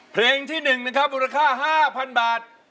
เพลงที่๑นะครับมูลค่า๕๐๐๐บาท